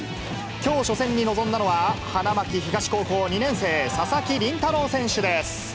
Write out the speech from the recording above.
きょう初戦に臨んだのは、花巻東高校２年生、佐々木麟太郎選手です。